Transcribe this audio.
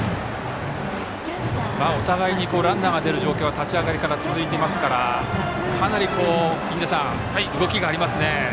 お互いにランナーが出る状況は立ち上がりから続いていますから印出さんかなり動きがありますね。